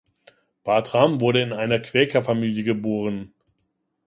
Bartram wurde in eine Quäker-Familie geboren.